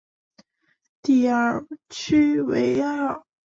蒂尔屈埃维尔。